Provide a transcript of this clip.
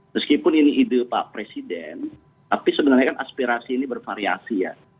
meskipun ini ide pak presiden tapi sebenarnya kan aspirasi ini bervariasi ya